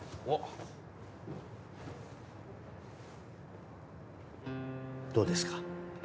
おっどうですか？